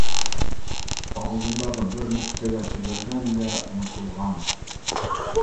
Алдындағы бер нөктәгә тө бәлгән дә онотолған